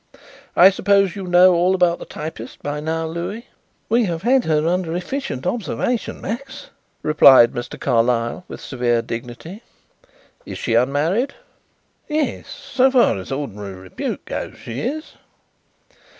"I suppose you know all about the typist by now, Louis?" "We have had her under efficient observation, Max," replied Mr. Carlyle with severe dignity. "Is she unmarried?" "Yes; so far as ordinary repute goes, she is."